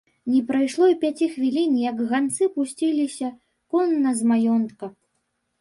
Не прайшло і пяці хвілін, як ганцы пусціліся конна з маёнтка.